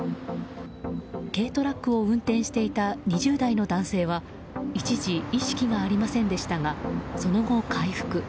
軽トラックを運転していた２０代の男性は一時、意識がありませんでしたがその後、回復。